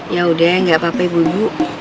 yaudah gak apa apa ibu ibu